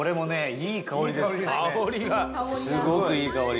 伊達：すごく、いい香り。